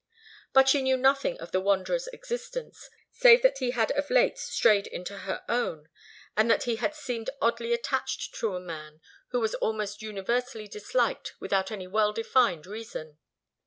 But she knew nothing of the wanderer's existence, save that he had of late strayed into her own, and that he had seemed oddly attached to a man who was almost universally disliked without any well defined reason.